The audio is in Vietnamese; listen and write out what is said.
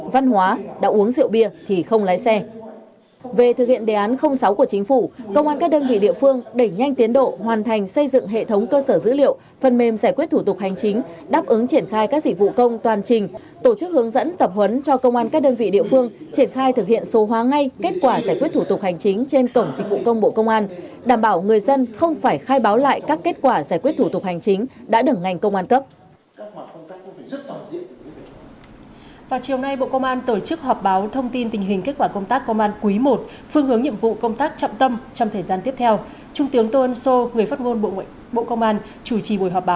trong thời gian tiếp theo trung tướng tô ân sô người phát ngôn bộ công an chủ trì buổi họp báo tham dự họp báo có đại diện lãnh đạo một số cục nghiệp vụ và công an thành phố hà nội